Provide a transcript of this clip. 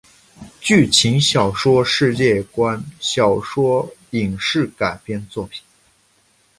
剧情小说世界观小说影视改编作品